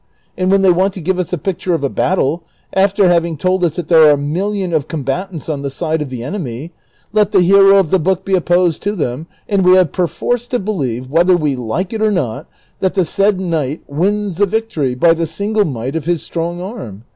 ^ And when they want to give us a picture of a battle, after having told us that there are a million of combatants on the side of the enemy, let the hero of the book be opposed to them, and we have per force to believe, whether we like it or not, that the said knight wins the victory by the single might of his strong arm.